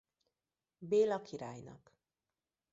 Béla királynak.